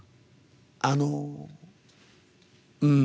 あのうん。